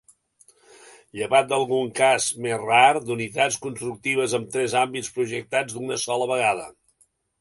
Llevat d'algun cas, més rar, d'unitats constructives amb tres àmbits projectats d'una sola vegada.